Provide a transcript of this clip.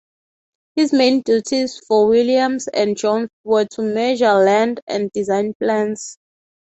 His main duties for Williams and Jones were to measure land and design plans.